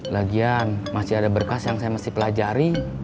lagian masih ada berkas yang saya mesti pelajari